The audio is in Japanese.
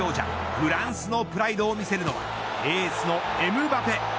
フランスのプライドを見せるのがエースのエムバペ。